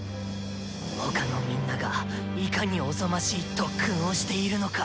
他のみんながいかにおぞましい特訓をしているのか。